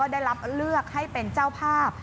ได้รับเลือกให้เป็นเจ้าภาพ